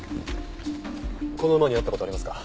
この馬に会った事ありますか？